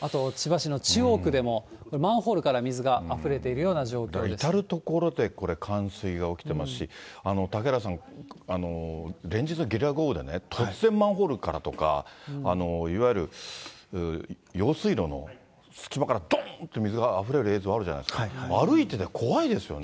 あと千葉市の中央区でもマンホールから水があふれているような状至る所でこれ、冠水が起きてますし、嵩原さん、連日、ゲリラ豪雨でね、突然マンホールからとか、いわゆる用水路の隙間からどんって水があふれる映像あるじゃない怖いですよ。